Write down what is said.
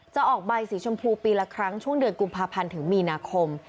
ออกใบสีชมพูปีละครั้งช่วงเดือนกุมภาพันธ์ถึงมีนาคม